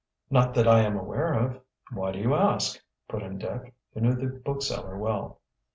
"Not that I am aware of." "Why do you ask?" put in Dick, who knew the bookseller well.